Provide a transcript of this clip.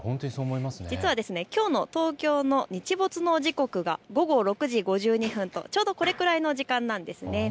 実はきょうの東京の日没の時刻が午後６時５２分と、ちょうどこれくらいの時間なんですね。